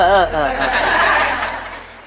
เออ